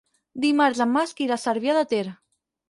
Dimarts en Max irà a Cervià de Ter.